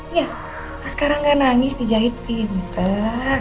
iya mas karang gak nangis di jahit pinter